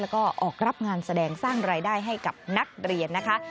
แล้วก็ออกรับงานแสดงสร้างรายได้ให้กับนักเรียนนะคะ